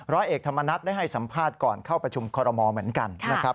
ร้อยเอกธรรมนัฐได้ให้สัมภาษณ์ก่อนเข้าประชุมคอรมอลเหมือนกันนะครับ